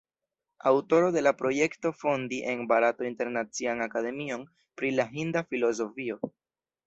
Aŭtoro de la projekto fondi en Barato Internacian Akademion pri la Hinda Filozofio.